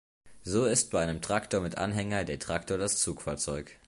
So ist bei einem Traktor mit Anhänger der Traktor das Zugfahrzeug.